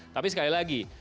tapi sekali lagi